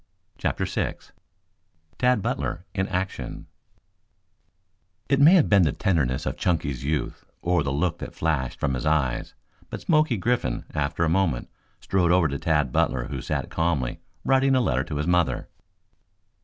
CHAPTER VI TAD BUTLER IN ACTION It may have been the tenderness of Chunky's youth, or the look that flashed from his eyes, but Smoky Griffin, after a moment, strode over to Tad Butler who sat calmly writing a letter to his mother.